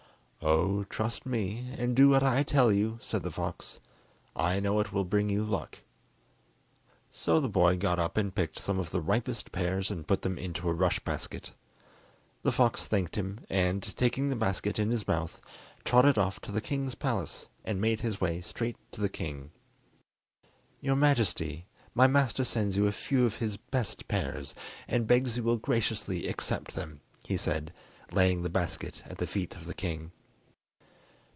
"Oh, trust me, and do what I tell you," said the fox; "I know it will bring you luck." So the boy got up and picked some of the ripest pears and put them into a rush basket. The fox thanked him, and, taking the basket in his mouth, trotted off to the king's palace and made his way straight to the king. "Your Majesty, my master sends you a few of his best pears, and begs you will graciously accept them," he said, laying the basket at the feet of the king.